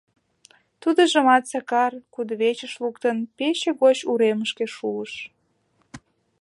Тудыжымат Сакар, кудывечыш луктын, пече гоч уремышке шуыш.